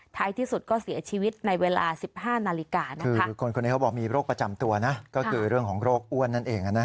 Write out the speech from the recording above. ท้ายที่สุดก็เสียชีวิตในเวลา๑๕นาฬิกานะคะ